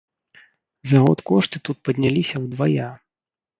За год кошты тут падняліся ўдвая!